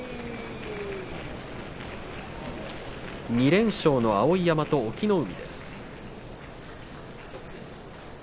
２連勝の碧山と隠岐の海です。